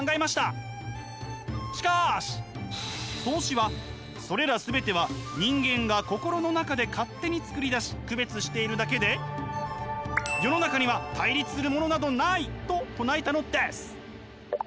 しかし荘子はそれらすべては人間が心の中で勝手に作り出し区別しているだけで「世の中には対立するものなど無い」と唱えたのです。